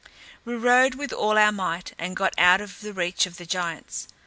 We rowed with all our might, and got out of the reach of the giants.